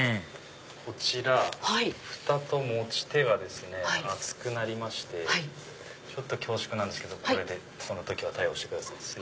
こちらふたと持ち手がですね熱くなりまして恐縮なんですけどこれでその時は対応してください。